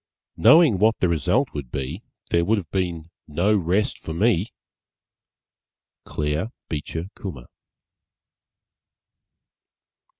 _ Knowing what the result would be There would have been no rest for me! _Claire Beecher Kummer.